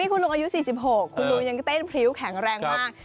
คุณลุงอายุ๔๖คุณลุงยังเต้นพริ้วแข็งแรงมาก